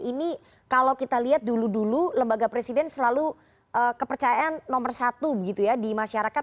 ini kalau kita lihat dulu dulu lembaga presiden selalu kepercayaan nomor satu gitu ya di masyarakat